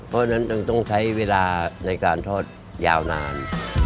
เพราะฉะนั้นต้องใช้เวลาในการทอดยาวนาน